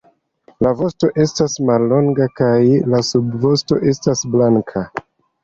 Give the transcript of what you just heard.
La vosto estas mallonga kaj la subvosto estas blanka.